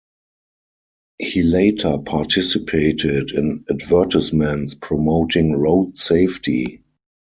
He later participated in advertisements promoting road safety.